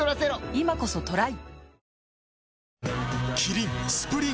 今こそトライ！